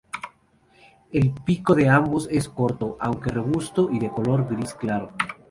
El pico de ambos es corto aunque robusto y de color gris claro.